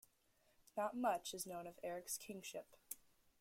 Not much is known of Eric's kingship.